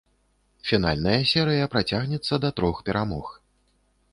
Фінальная серыя працягнецца да трох перамог.